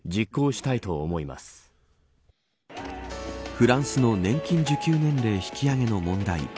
フランスの年金受給年齢引き上げの問題。